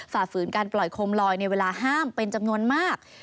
ฝ่าฝืนการปล่อยโคมลอยในเวลาห้ามเป็นจำนวนมาก